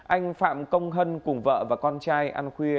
anh phạm công hân cùng vợ và con trai ăn khuya